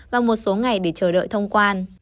và một số ngày để chờ đợi thông quan